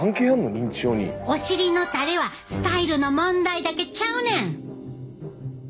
お尻のたれはスタイルの問題だけちゃうねん。